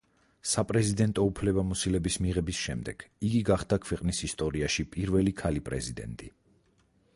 საპრეზიდენტო უფლებამოსილების მიღების შემდეგ იგი გახდა ქვეყნის ისტორიაში პირველი ქალი-პრეზიდენტი.